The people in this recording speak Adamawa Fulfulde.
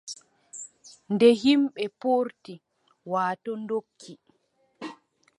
Nde yimɓe poorti, waatoo doggi,